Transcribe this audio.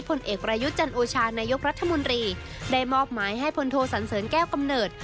ผลเอกประยุทธ์จันโอชานายกรัฐมนตรีได้มอบหมายให้พลโทสันเสริญแก้วกำเนิด